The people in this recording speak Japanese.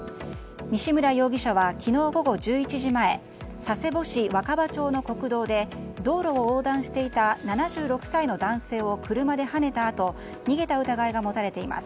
西村容疑者は昨日午後１１時前佐世保市若葉町の国道で道路を横断していた７６歳の男性を車ではねたあと逃げた疑いが持たれています。